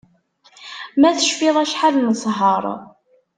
Ma tcfiḍ acḥal nesher